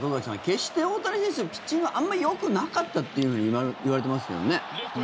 決して大谷選手のピッチングあまりよくなかったというふうに言われていますけどね。